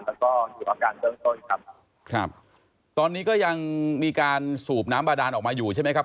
แต่ก็อยู่อาการเบื้องต้นครับครับตอนนี้ก็ยังมีการสูบน้ำบาดานออกมาอยู่ใช่ไหมครับ